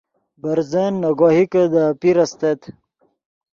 برزن نے گوہکے دے اپیر استت